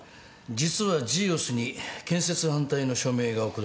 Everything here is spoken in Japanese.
実はジーオスに建設反対の署名が送られてな。